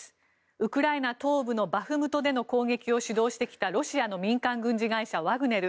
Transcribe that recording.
ウクライナ東部のバフムトでの攻撃を主導してきたロシアの民間軍事会社ワグネル。